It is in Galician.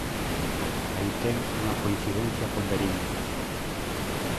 Aí ten unha coincidencia con Verín.